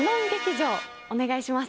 お願いします。